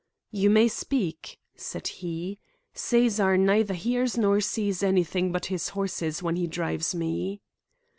"You may speak," said he; "Cæsar neither hears nor sees anything but his horses when he drives me."